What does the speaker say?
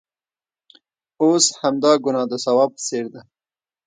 اوس همدا ګناه د ثواب په څېر ده.